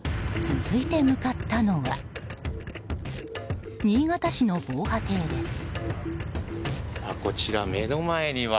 続いて向かったのは新潟市の防波堤です。